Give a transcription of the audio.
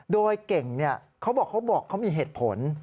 โดยเก่งเขาบอกเขามีเหตุผล